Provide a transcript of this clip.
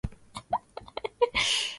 ambao wanajadili masuala tabia ya nchi